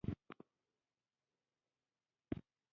پښتو لیکو، پښتو وایو، پښتو اورو.